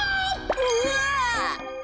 うわ。